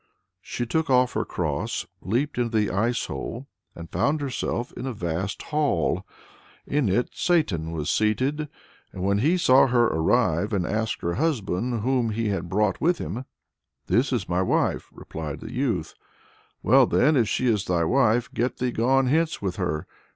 She took off her cross, leaped into the ice hole and found herself in a vast hall. In it Satan was seated. And when he saw her arrive, he asked her husband whom he had brought with him. "This is my wife," replied the youth. "Well then, if she is thy wife, get thee gone hence with her!